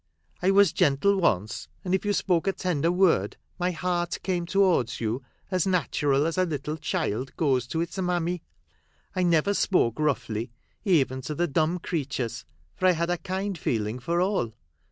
I was gentle once, and if you spoke a tender word, my heart came towards you as natural as a little child goes to its mammy. I never spoke roughly, even to the dumb creatures, for I had a kind feeling for ail.